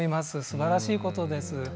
すばらしいことです。